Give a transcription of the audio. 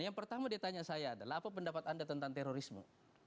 yang pertama dia tanya saya adalah apa pendapat anda tentang terorisme